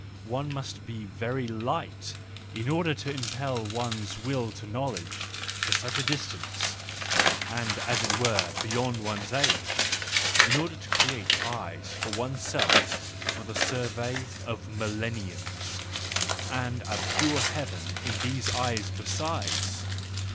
One must be very light in order to impel one's will to knowledge to such a distance, and as it were beyond one's age, in order to create eyes for oneself for the survey of millenniums, and a pure heaven in these eyes besides!